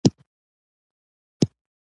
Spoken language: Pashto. په ارام ږغ یې وویل